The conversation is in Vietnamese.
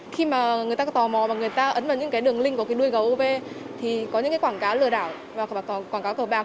khi mà người ta có tò mò và người ta ấn vào những cái đường link của cái nuôi gấu thì có những cái quảng cáo lừa đảo và quảng cáo cờ bạc